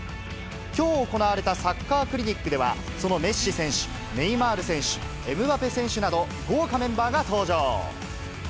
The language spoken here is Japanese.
きょう行われたサッカークリニックでは、そのメッシ選手、ネイマール選手、エムバペ選手など、豪華メンバーが登場。